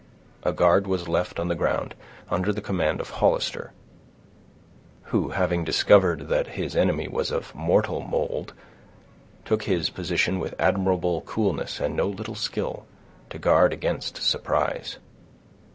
A guard was left on the ground, under the command of Hollister, who, having discovered that his enemy was of mortal mold, took his position with admirable coolness and no little skill, to guard against surprise.